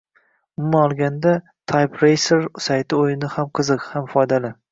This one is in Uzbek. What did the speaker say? Umuman olganda, typeracer sayti o’yini ham qiziq, ham foydali